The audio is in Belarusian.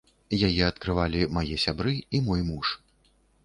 Яе адкрывалі мае сябры і мой муж.